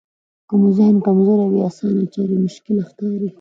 که مو ذهن کمزوری وي اسانه چارې مشکله ښکاري.